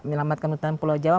menyelamatkan hutan pulau jawa